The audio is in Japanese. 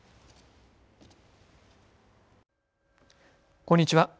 こんにちは。